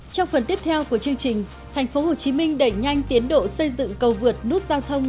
trong phần tiếp theo của chương trình thành phố hồ chí minh đẩy nhanh tiến độ xây dựng cầu vượt nút giao thông